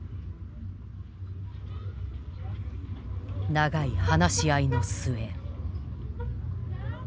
長い話し合いの末。